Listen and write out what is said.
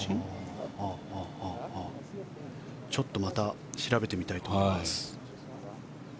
また調べてみたいと思います。